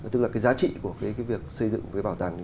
tức là giá trị của việc xây dựng bảo tàng